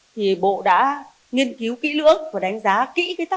thì bộ đã nghiên cứu kỹ lưỡng và đánh giá kỹ cái thí điểm này